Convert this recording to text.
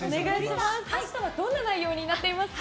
明日はどんな内容になっていますか？